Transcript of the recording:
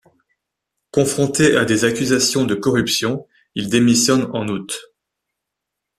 Confronté à des accusations de corruption, il démissionne en août.